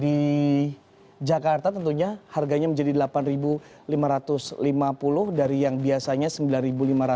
di jakarta tentunya harganya menjadi rp delapan lima ratus lima puluh dari yang biasanya rp sembilan lima ratus